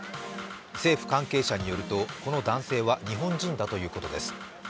政府関係者によると、この男性は日本人だということです。